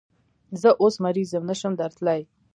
زه اوس مریض یم، نشم درتلای